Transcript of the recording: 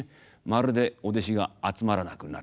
まるでお弟子が集まらなくなってきた。